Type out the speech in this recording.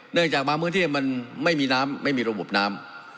จากบางพื้นที่มันไม่มีน้ำไม่มีระบบน้ำ